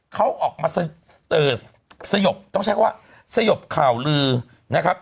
เขาออกมาสยบต้องใช้คำว่าสยบข่าวลือนะครับ